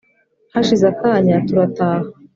hashize akanya turataha,